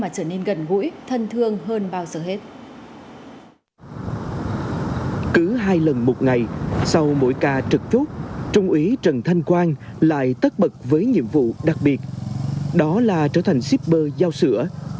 cứ hai lần một ngày sau mỗi ca trực chốt trung úy trần thanh quang lại tất bật với nhiệm vụ đặc biệt đó là trở thành shipper giao sữa